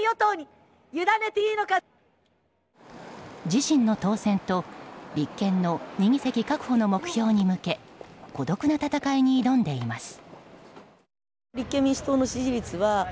自身の当選と立憲の２議席確保の目標に向け孤独な戦いに挑んでいます。